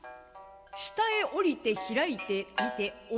下へ下りて開いて見て驚いた！